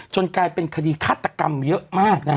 กลายเป็นคดีฆาตกรรมเยอะมากนะฮะ